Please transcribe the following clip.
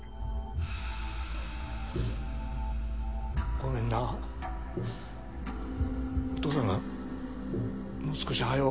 ごめんなお父さんがもう少しはよ